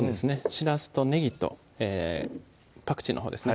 しらすとねぎとパクチーのほうですね